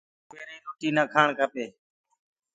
دُپيري ڪي روتي نآ کآڻ کپي۔